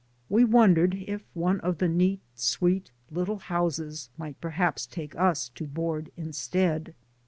We won dered if one of the neat, sweet little houses might perhaps take us to board instead.